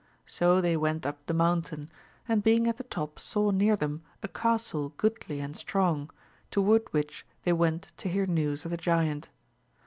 So they went up the mountain, and being at the top saw near them a castle goodly and strong, toward which they went to hear news of the giant.